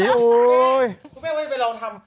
ครูแม่ว่าจะไปลองทำ